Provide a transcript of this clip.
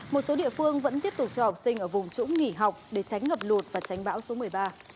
một số địa phương vẫn tiếp tục cho học sinh ở vùng trũng nghỉ học để tránh ngập lụt và tránh bão số một mươi ba